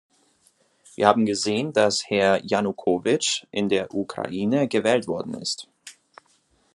Wir haben gesehen, dass Herr Janukovich in der Ukraine gewählt worden ist.